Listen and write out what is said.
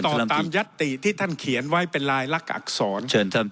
ผมตอบตามยัตติที่ท่านเขียนไว้เป็นลายลักอักษร